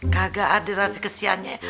gagak ada rahasia kesiannya